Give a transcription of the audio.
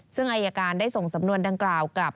ซึ่งอายการได้ส่งสำนวนดังกล่าวกลับ